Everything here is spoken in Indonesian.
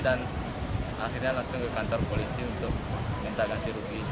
dan akhirnya langsung ke kantor polisi untuk minta ganti rugi